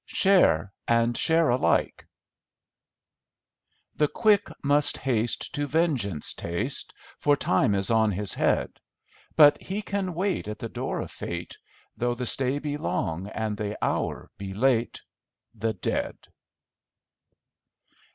Share and Share Alike "The quick must haste to vengeance taste, For time is on his head; But he can wait at the door of fate, Though the stay be long and the hour be late— The dead."